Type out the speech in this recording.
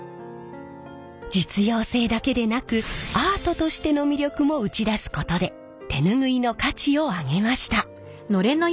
実用性だけでなくアートとしての魅力も打ち出すことで手ぬぐいの価値を上げました。